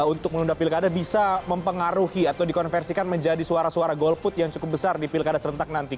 untuk menunda pilkada bisa mempengaruhi atau dikonversikan menjadi suara suara golput yang cukup besar di pilkada serentak nanti